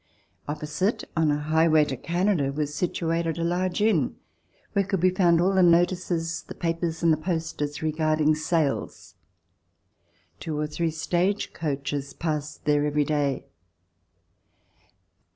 Opposite, on the highway to Canada, was situated a large inn where could be found all the notices, the papers, and the posters re garding sales. Two or three stage coaches passed there every day.